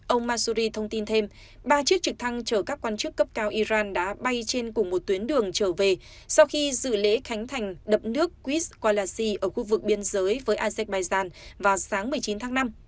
ông masuri thông tin thêm ba chiếc trực thăng chở các quan chức cấp cao iran đã bay trên cùng một tuyến đường trở về sau khi dự lễ khánh thành đập nước chris qualasi ở khu vực biên giới với azerbaijan vào sáng một mươi chín tháng năm